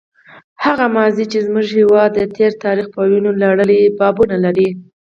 هغه ماضي چې زموږ هېواد د تېر تاریخ په وینو لړلي بابونه لري.